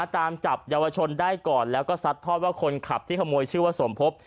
ตามจับเยาวชนได้ก่อนแล้วก็ซัดทอดว่าคนขับที่ขโมยชื่อว่าสมภพ